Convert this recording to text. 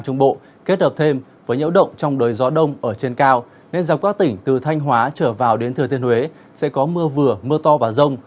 nên dòng các tỉnh từ thanh hóa trở vào đến thừa tiên huế sẽ có mưa vừa mưa to và rông